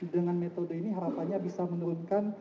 dengan metode ini harapannya bisa menurunkan